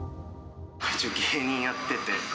一応芸人やってて。